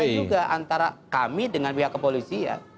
ada kesepakatan juga antara kami dengan pihak kepolisian